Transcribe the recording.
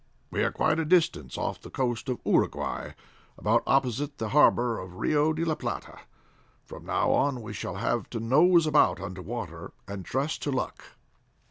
"We are quite a distance off the coast of Uruguay, about opposite the harbor of Rio de La Plata. From now on we shall have to nose about under water, and trust to luck."